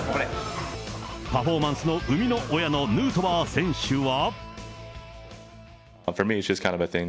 パフォーマンスの生みの親のヌートバー選手は。